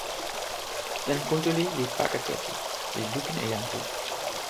jan Kuntuli li pake toki, li lukin e jan Tu.